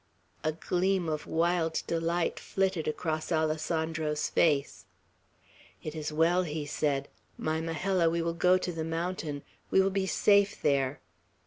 A gleam of wild delight flitted across Alessandro's face. "It is well," he said. "My Majella, we will go to the mountain; we will be safe there."